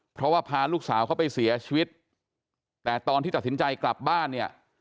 เพราะว่าพาลูกสาวเขาไปเสียชีวิตแต่ตอนที่ตัดสินใจกลับบ้านเนี่ย